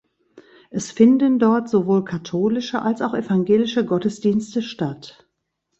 Es finden dort sowohl katholische als auch evangelische Gottesdienste statt.